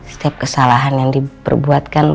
setiap kesalahan yang diperbuatkan